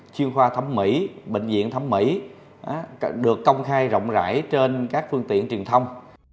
chuyên khoa thẩm mỹ bệnh viện thẩm mỹ được công khai rộng rãi trên các phương tiện truyền thông